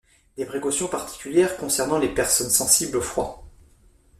Des précautions particulières concernent les personnes sensibles au froid.